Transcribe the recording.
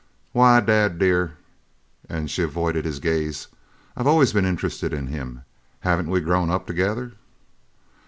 "Why, Dad, dear," and she avoided his gaze, "I've always been interested in him. Haven't we grown up together?"